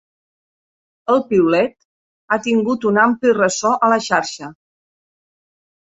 El piulet ha tingut un ampli ressò a la xarxa.